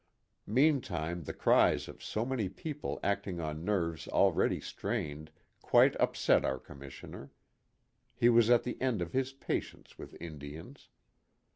Meantime the cries of so many people acting on nerves already strained quite upset our Com missioner. He was at the end of his patience with Indians.